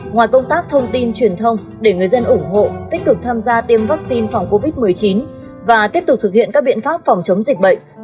ngoài công tác thông tin truyền thông để người dân ủng hộ tích cực tham gia tiêm vaccine phòng covid một mươi chín và tiếp tục thực hiện các biện pháp phòng chống dịch bệnh